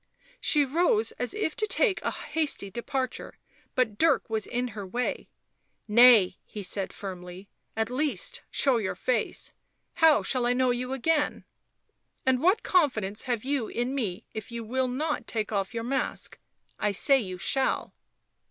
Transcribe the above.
She rose as if to take a hasty departure; but Dirk was in her way. " Nay," he said firmly. " At least show your face — how shall I know you again ? And what confidence have you in me if you will not take off your mask? I say you shall."